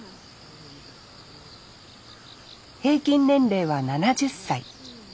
平均年齢は７０歳。